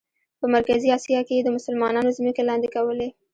په مرکزي آسیا کې یې د مسلمانانو ځمکې لاندې کولې.